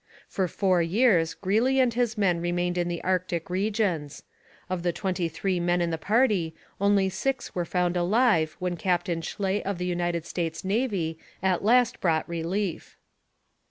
For four years Greeley and his men remained in the Arctic regions. Of the twenty three men in the party only six were found alive when Captain Schley of the United States Navy at last brought relief.